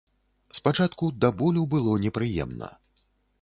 Спачатку да болю было непрыемна.